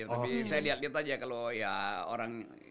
tapi saya lihat lihat aja kalau ya orang